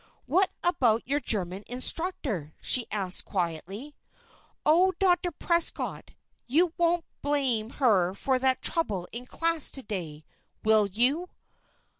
"What about your German instructor?" she asked quietly. "Oh, dear Dr. Prescott! you won't blame her for that trouble in class to day will you?